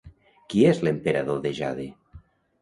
Qui és l'Emperador de Jade?